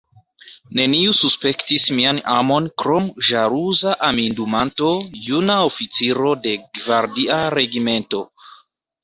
Neniu suspektis mian amon krom ĵaluza amindumanto, juna oficiro de gvardia regimento.